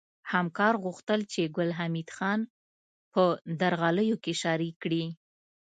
همکار غوښتل چې ګل حمید خان په درغلیو کې شریک کړي